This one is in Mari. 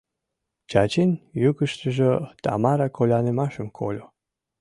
Чачин йӱкыштыжӧ Тамара колянымашым кольо: